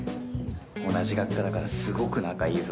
同じ学科だからすごく仲いいぞ。